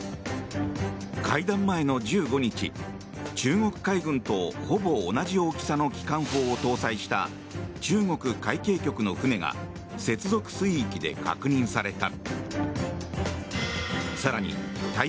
会談前の１５日中国海軍とほぼ同じ大きさの機関砲を搭載した中国海警局の船が接続水域で確認された。